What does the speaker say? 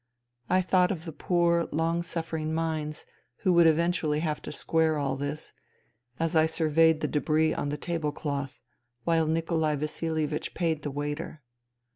I thought of the poor, long suffering mines who would eventually have to square all this, as I surveyed the debris on the tablecloth, while Nikolai Vasilievich paid the waiter.